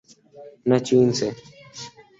نہ چین سے۔